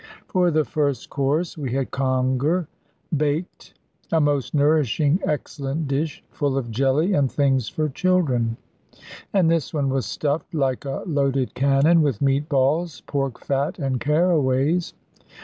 For the first course, we had conger, baked; a most nourishing, excellent dish, full of jelly and things for children. And this one was stuffed, like a loaded cannon, with meat balls, pork fat, and carraways.